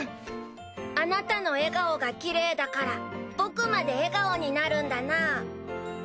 「あなたの笑顔がきれいだから僕まで笑顔になるんだな」。